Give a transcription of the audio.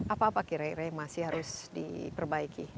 apa apa kira kira yang masih harus diperbaiki